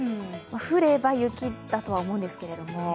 降れば雪だとは思うんですけれども。